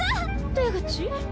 出口？